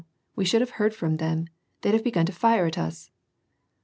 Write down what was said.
We should have heard from them. They'd hare begun to fire at us."